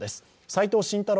齋藤慎太郎